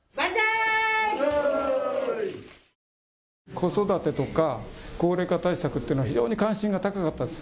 子育てとか高齢化対策っていうの非常に関心が高かったです。